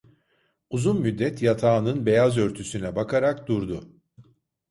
Uzun müddet yatağının beyaz örtüsüne bakarak durdu.